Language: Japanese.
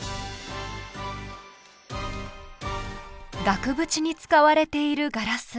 額縁に使われているガラス。